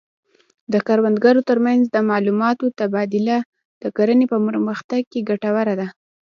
د کروندګرو ترمنځ د معلوماتو تبادله د کرنې په پرمختګ کې ګټوره ده.